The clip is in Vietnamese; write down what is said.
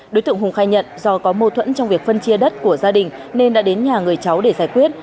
đối tượng hùng khai nhận do có mâu thuẫn trong việc phân chia đất của gia đình nên đã đến nhà người cháu để giải quyết